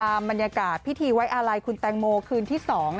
ตราบบรรยากาศพี่ทีไว้อาไลคุณแทงโมนที่๒